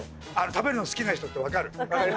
食べるの好きな人って分かる。